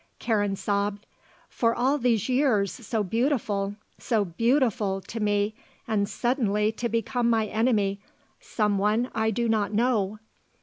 Karen sobbed. "For all these years so beautiful so beautiful to me, and suddenly to become my enemy someone I do not know."